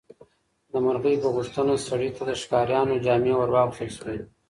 د مرغۍ په غوښتنه سړي ته د ښکاریانو جامې ورواغوستل شوې.